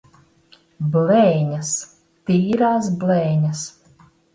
Blēņas! Tīrās blēņas!